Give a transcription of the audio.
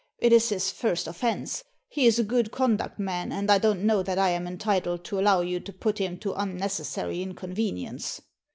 It is his first offence, he is a good conduct man, and I don't know that I am entitled to allow you to put him to unnecessary inconvenience."